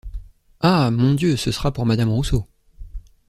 Ah! mon Dieu, ce sera pour Madame Rousseau.